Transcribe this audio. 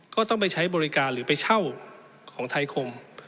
ก็ต้องไปใช้บริการหรือไปเช่าของไทยคม